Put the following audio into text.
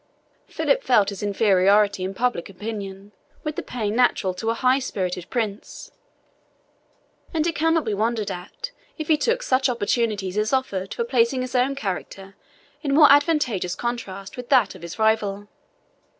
Philip felt his inferiority in public opinion with the pain natural to a high spirited prince; and it cannot be wondered at if he took such opportunities as offered for placing his own character in more advantageous contrast with that of his rival.